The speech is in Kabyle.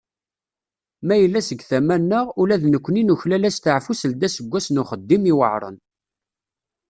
Ma yella seg tama-nneɣ, ula d nekni nuklal asteεfu seld aseggas n uxeddim iweεṛen.